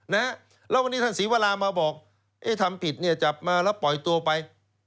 แล้ววันนี้ท่านศรีวรามาบอกเอ๊ะทำผิดเนี่ยจับมาแล้วปล่อยตัวไป